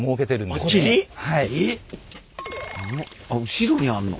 後ろにあんの？